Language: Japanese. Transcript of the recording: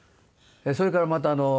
それからまた。